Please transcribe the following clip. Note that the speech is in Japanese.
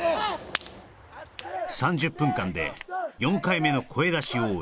３０分間で４回目の声出し応援